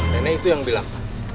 nenek itu yang bilang